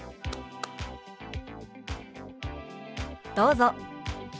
どうぞ。